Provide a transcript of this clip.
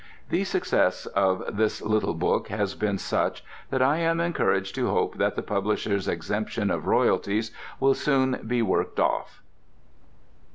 The success of this little book has been such that I am encouraged to hope that the publisher's exemption of royalties will soon be worked off.